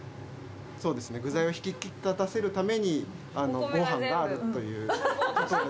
そうですね、具材を引き立たせるために、ごはんがあるということで。